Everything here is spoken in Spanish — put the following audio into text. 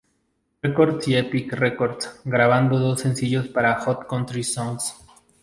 Records y Epic Records, grabando dos sencillos para Hot Country Songs.